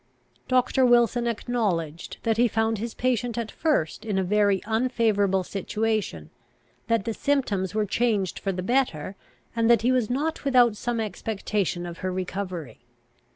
Doctor Wilson acknowledged, that he found his patient at first in a very unfavourable situation, that the symptoms were changed for the better, and that he was not without some expectation of her recovery.